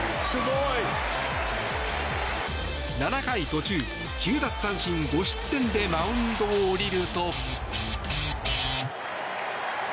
７回途中、９奪三振５失点でマウンドを降りると。